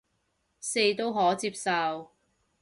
四都可接受